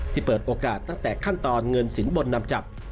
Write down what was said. เปิดโอกาสตั้งแต่ขั้นตอนเงินสินบนนำจับ